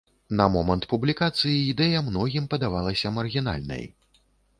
На момант публікацыі ідэя многім падавалася маргінальнай.